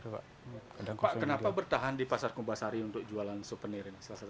pak kenapa bertahan di pasar kumbasari untuk jualan souvenir ini